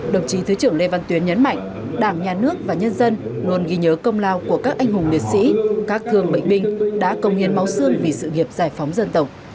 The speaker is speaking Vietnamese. đồng chí thứ trưởng lê văn tuyến nhấn mạnh đảng nhà nước và nhân dân luôn ghi nhớ công lao của các anh hùng liệt sĩ các thương bệnh binh đã công hiến máu xương vì sự nghiệp giải phóng dân tộc